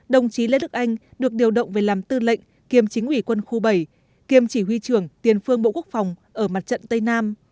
đồng chí lê đức anh được điều động về làm tư lệnh kiêm chính ủy quân khu bảy kiêm chỉ huy trưởng tiền phương bộ quốc phòng ở mặt trận tây nam